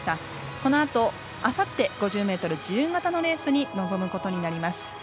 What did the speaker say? このあと、あさって５０ｍ自由形のレースに臨むことになります。